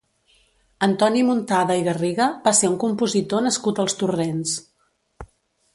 Antoni Muntada i Garriga va ser un compositor nascut als Torrents.